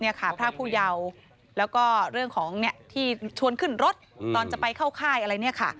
นี่ค่ะพรากผู้เยาแล้วก็เรื่องของที่ชวนขึ้นรถตอนจะไปเข้าค่ายอะไรเนี่ยค่ะ